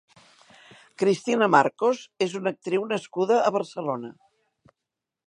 Cristina Marcos és una actriu nascuda a Barcelona.